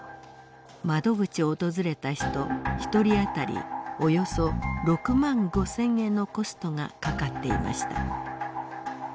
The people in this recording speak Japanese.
窓口を訪れた人１人当たりおよそ６万５，０００円のコストがかかっていました。